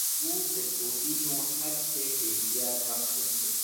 او به توهین و هتک حیثیت محکوم شد